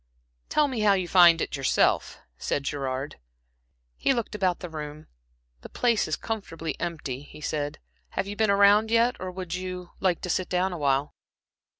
"Tell me how you find it yourself," said Gerard. He looked about the room. "The place is comfortably empty," he said. "Have you been around yet, or would you a like to sit down awhile?"